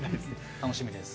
楽しみです。